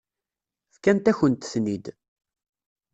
Fkant-akent-ten-id.